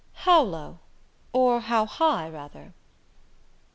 "How low or how high, rather?"